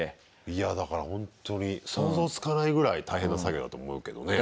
いやだからほんとに想像つかないぐらい大変な作業だと思うけどね。